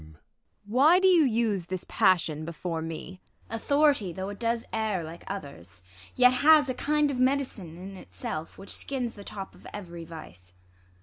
Why do you use this passion before me ? IsAB. Authority, though it does err like others. Yet has a kind of med'cine in itself, "Which skins the top of every vice.